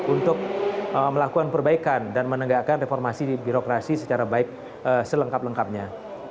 untuk melakukan perbaikan dan menegakkan reformasi birokrasi secara baik selengkap lengkapnya